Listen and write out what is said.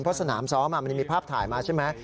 เพราะสนามซ้อมมันมีภาพถ่ายมาใช่ไหม